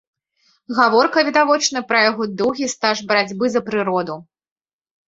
Гаворка, відавочна пра яго доўгі стаж барацьбы за прыроду.